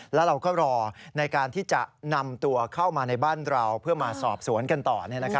แล้วเราก็รอในการที่จะนำตัวเข้ามาในบ้านเราเพื่อมาสอบสวนกันต่อ